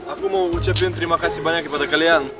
aku mau ucapin terima kasih banyak kepada kalian